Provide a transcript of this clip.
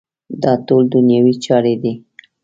دا ټول دنیوي چارې دي.